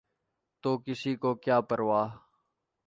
تو کسی کو کیا پروا؟